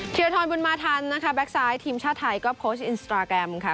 เทียร์ทอนบุญมาทันนะคะแบ็คไซด์ทีมชาวไทยก็โพสต์อินสตราแกรมค่ะ